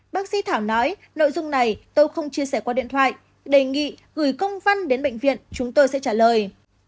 bác sĩ thảo nói nội dung này tôi không chia sẻ qua điện thoại đề nghị gửi công văn đến bệnh viện chúng tôi sẽ trả lời